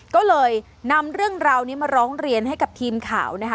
ก็เลยนำเรื่องราวนี้มาร้องเรียนให้กับทีมข่าวนะคะ